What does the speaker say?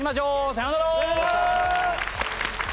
さようなら！